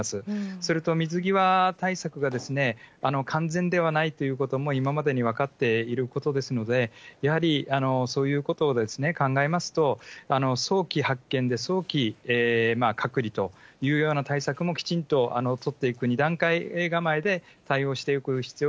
それと、水際対策が完全ではないということも今までに分かっていることですので、やはりそういうことを考えますと、早期発見で、早期隔離というような対策もきちんと取っていく２段階構えで対応